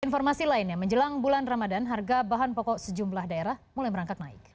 informasi lainnya menjelang bulan ramadan harga bahan pokok sejumlah daerah mulai merangkak naik